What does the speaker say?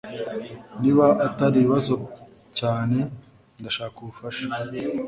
Niba atari ibibazo cyane ndashaka ubufasha